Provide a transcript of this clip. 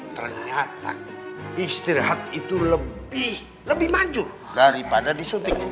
ternyata istirahat itu lebih lebih maju daripada di syuting